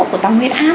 của tâm huyết áp